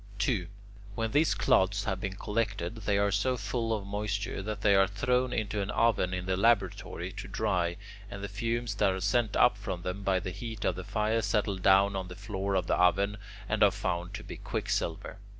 2. When these clods have been collected, they are so full of moisture that they are thrown into an oven in the laboratory to dry, and the fumes that are sent up from them by the heat of the fire settle down on the floor of the oven, and are found to be quicksilver.